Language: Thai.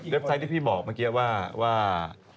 ไซต์ที่พี่บอกเมื่อกี้ว่า